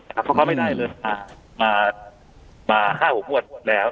เขาเข้าไม่ได้เลยนะครับมา๕๖มวดแล้ว